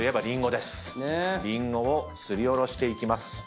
りんごをすりおろしていきます。